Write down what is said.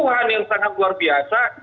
wahan yang sangat luar biasa